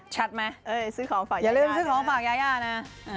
ชัดไหมอย่าลืมซื้อของฝากยานะ